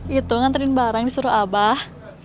itu nganterin barang disuruh abah